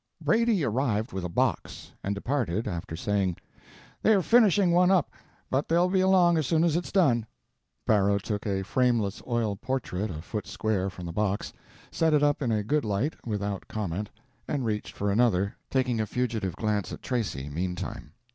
Brady arrived with a box, and departed, after saying, "They're finishing one up, but they'll be along as soon as it's done." Barrow took a frameless oil portrait a foot square from the box, set it up in a good light, without comment, and reached for another, taking a furtive glance at Tracy, meantime.